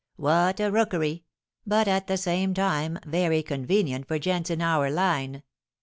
What a rookery! but, at the same time, very convenient for gents in our line.